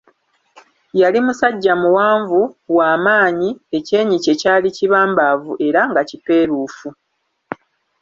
Yali musajja muwanvu, wa maanyi, ekyenyi kye kyali kibambaavu era nga kipeeruufu.